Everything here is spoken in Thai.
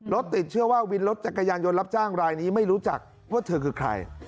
รถติดเชื่อว่าวินรถจักรยานยนต์รับจ้างรายนี้ไม่รู้จักว่าเธอคือใคร